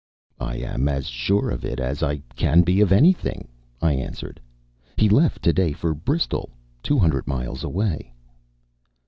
"I am as sure of it as I can be of anything," I answered. "He left to day for Bristol, two hundred miles away."